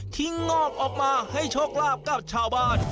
งอกออกมาให้โชคลาภกับชาวบ้าน